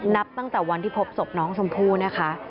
นับตั้งแต่วันที่พบศพน้องชมพู่นะคะ